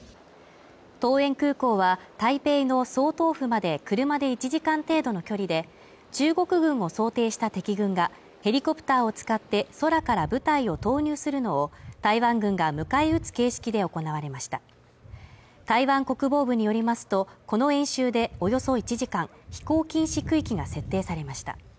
桃園空港は台北の総統府まで車で１時間程度の距離で中国軍を想定した敵軍がヘリコプターを使って空から部隊を投入するのを台湾軍が迎え撃つ形式で行われました台湾国防部によりますとこの演習でおよそ１時間、飛行禁止区域が設定されました